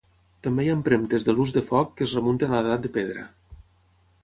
També hi ha empremtes de l'ús de foc que es remunten a l'Edat de Pedra.